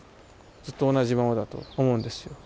ずっと同じままだと思うんですよ。